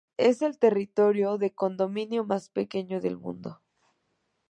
Es el territorio en condominio más pequeño del mundo.